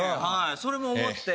それも思って。